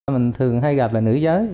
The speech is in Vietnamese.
mình thường hay gặp là nữ giới